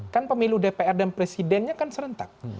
kan pemilu dpr dan presidennya kan serentak